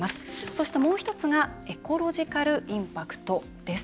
そして、もう１つがエコロジカルインパクトです。